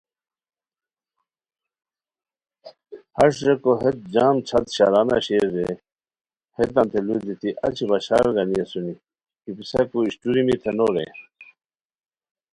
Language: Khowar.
ہݰ ریکو ہیت جام چھت شرانہ شیر رے ہیتانتے لو دیتی اچی بشار گانی اسونی کی پِسہ کوئی اوشٹوریمی تھے نو رے